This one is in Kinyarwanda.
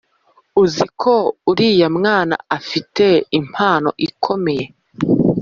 uziko uriya mwana afite impano ikomeye